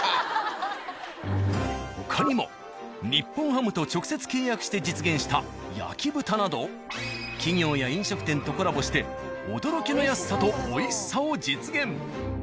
他にも「日本ハム」と直接契約して実現した焼豚など企業や飲食店とコラボして驚きの安さと美味しさを実現。